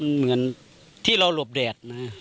เหมือนที่เราหลบแดดนะ